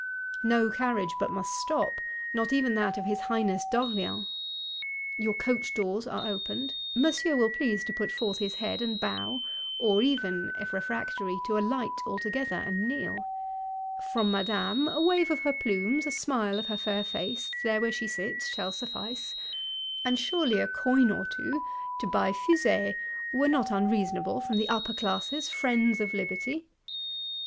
_ No carriage but must stop; not even that of his Highness d'Orléans. Your coach doors are opened: Monsieur will please to put forth his head and bow; or even, if refractory, to alight altogether, and kneel: from Madame a wave of her plumes, a smile of her fair face, there where she sits, shall suffice;—and surely a coin or two (to buy fusées) were not unreasonable from the Upper Classes, friends of Liberty?